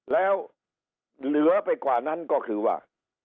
แล้วเหลือไปกว่านั้นก็คือว่า